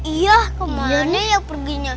iya kemana ya perginya